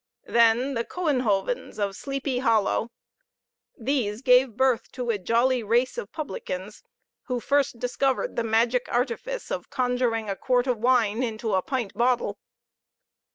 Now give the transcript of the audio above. Then the Couenhovens of Sleepy Hollow; these gave birth to a jolly race of publicans, who first discovered the magic artifice of conjuring a quart of wine into a pint bottle.